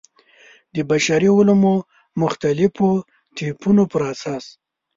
د بشري علومو مختلفو طیفونو پر اساس.